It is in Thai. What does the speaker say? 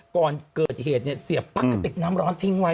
ก่อนเกิดเหตุเสียบปั๊กติดน้ำร้อนทิ้งไว้